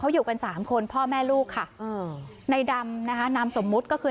อยู่กัน๓คนพ่อแม่ลูกในดำน้ำสมมุตคือ